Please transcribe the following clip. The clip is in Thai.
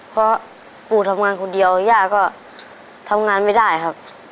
เพราะปู่ทำงานคนเดียวย่าก็ทำงานไม่ได้ครับ